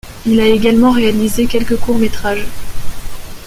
Il a également réalisé quelques courts-métrages.